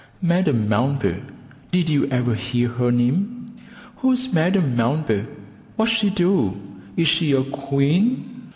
"Madame Melba; did you ever hear her name?" "Who's Madame Melba? What's she do? Is she a queen?"